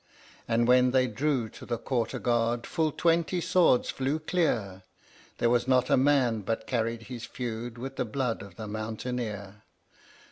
And when they drew to the Quarter Guard, full twenty swords flew clear There was not a man but carried his feud with the blood of the mountaineer.